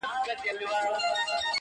o چي دا ستا معاش نو ولي نه ډيريږي,